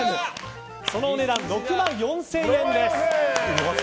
そのお値段６万４０００円です。